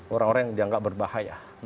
orang orang yang dianggap berbahaya